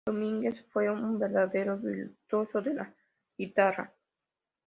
Domínguez fue un verdadero virtuoso de la guitarra.